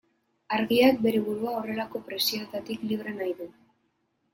Argiak bere burua horrelako presioetatik libre nahi du.